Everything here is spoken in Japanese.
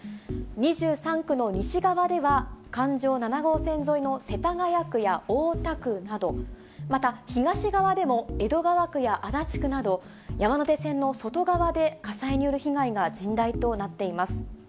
２３区の西側では環状７号線沿いの世田谷区や大田区など、また東側でも江戸川区や足立区など、山手線の外側で火災による被害が甚大となっています。